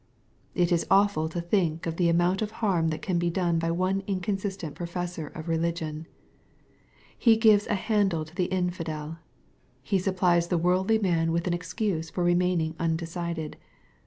It is awful to think of the amount of harm that can be done by one inconsistent professor of religion. He gives a handle to the infidel. He supplies the worldly man with an excuse for remaining undecided.